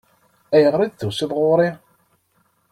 Ayɣer i d-tusiḍ ɣur-i?